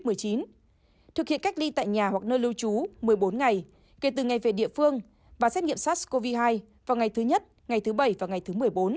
các người đã tiêm đủ liều vaccine phòng covid một mươi chín kể từ ngày về địa phương và xét nghiệm sars cov hai vào ngày thứ nhất ngày thứ bảy và ngày thứ một mươi bốn